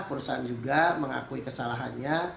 perusahaan juga mengakui kesalahannya